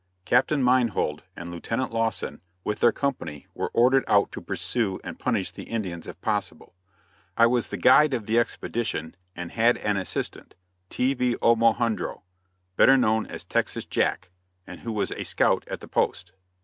Captain Meinhold and Lieutenant Lawson with their company were ordered out to pursue and punish the Indians if possible. I was the guide of the expedition and had as an assistant T.B. Omohundro, better known as "Texas Jack" and who was a scout at the post.